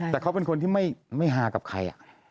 แต่เขาเป็นคนที่ไม่ฮากับใคร